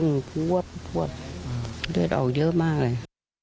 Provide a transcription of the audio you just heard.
หลงใจหนูนะพลวดเลือดออกเยอะมากเลย